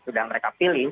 sudah mereka pilih